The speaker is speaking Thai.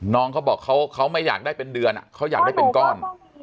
น้องเขาบอกเขาไม่อยากได้เป็นเดือนเขาอยากได้เป็นก้อน